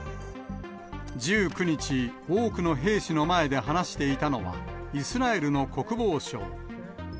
１９日、多くの兵士の前で話していたのは、イスラエルの国防相。